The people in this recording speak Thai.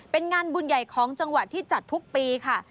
เป็นงานบุญใหญ่ของจังหวัดที่จัดทุกปีค่ะ